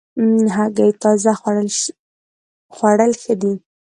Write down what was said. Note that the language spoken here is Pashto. هګۍ تازه خوړل ښه دي.